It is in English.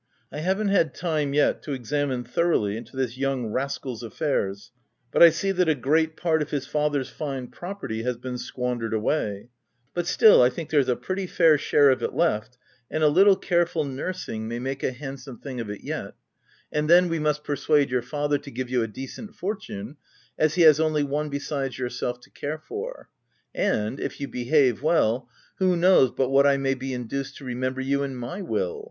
I haven't had time, yet, to examine thoroughly into this young rascal's affairs, but I see that a great part of his father's fine property has been squandered away ;— but still, I think there's a pretty fair share of it left, and a little careful nursing may make a hand OF WILDFELL HALL. 17 some thing of it yet ; and then we must per suade your father to give you a decent fortune, as he has only one besides yourself to care for ;— and, if you behave well, who knows but what I may be induced to remember you in my will?"